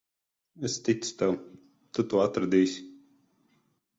Es ticu tev. Tu to atradīsi.